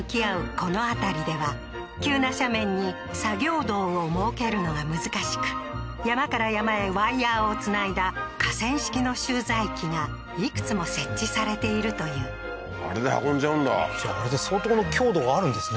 この辺りでは急な斜面に作業道を設けるのが難しく山から山へワイヤーをつないだ架線式の集材機がいくつも設置されているというあれで運んじゃうんだじゃああれで相当の強度があるんですね